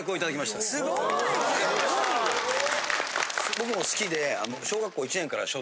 僕も好きで。